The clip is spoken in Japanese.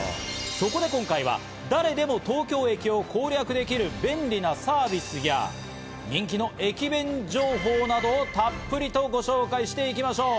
そこで今回は誰でも東京駅を攻略できる便利なサービスや、人気の駅伝情報などをたっぷりご紹介していきましょう。